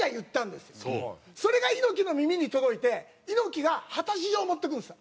それが猪木の耳に届いて猪木が果たし状を持ってくるんですよ